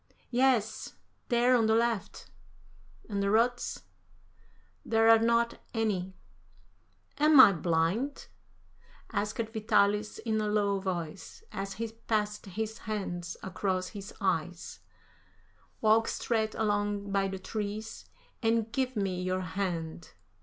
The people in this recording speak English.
"Yes, there on the left." "And the ruts?" "There are not any." "Am I blind?" asked Vitalis in a low voice, as he passed his hands across his eyes; "walk straight along by the trees, and give me your hand."